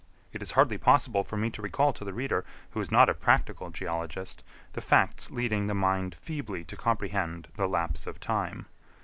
It is hardly possible for me to recall to the reader who is not a practical geologist, the facts leading the mind feebly to comprehend the lapse of time.